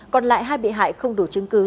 còn lại hai bị hại không đủ chứng cứ